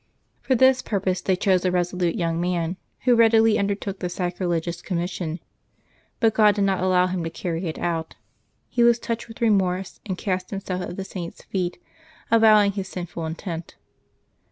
For this purpose they chose a resolute young man, who readily undertook the sacrilegious commission. But God did not allow him to carry it out. He was touched with remorse, and cast himself at the Saint's feet, avowing his sinful intent.